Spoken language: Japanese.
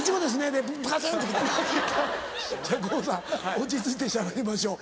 落ち着いてしゃべりましょう。